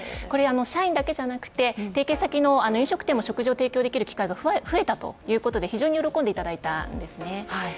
これは社員だけではなくて提携先の飲食店も食事を提供できる機会が増えたということで非常に喜んでいただいたんですね。